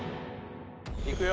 いくよ。